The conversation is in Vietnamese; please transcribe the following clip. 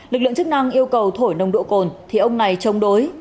lực lượng chức năng yêu cầu thổi nồng độ cồn thì ông này chống đối